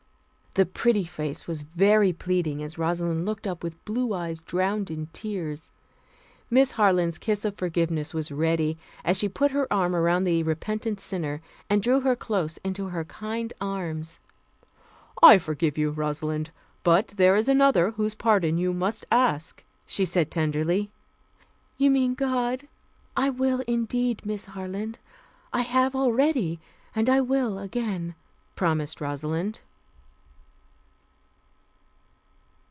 The pretty face was very pleading as Rosalind looked up with blue eyes drowned in tears. Miss Harland's kiss of forgiveness was ready, as she put her arm around the repentant sinner and drew her close into her kind arms. "I forgive you, Rosalind, but there is Another whose pardon you must ask," she said tenderly. "You mean God. I will, indeed, Miss Harland. I have already, and I will again," promised Rosalind.